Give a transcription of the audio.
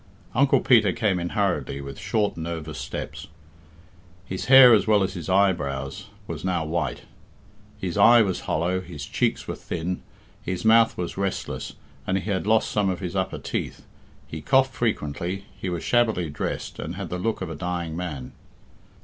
Uncle Peter came in hurriedly, with short, nervous steps. His hair as well as his eyebrows was now white, his eye was hollow, his cheeks were thin, his mouth was restless, and he had lost some of his upper teeth, he coughed frequently, he was shabbily dressed, and had the look of a dying man.